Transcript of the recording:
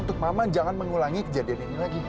untuk maman jangan mengulangi kejadian ini lagi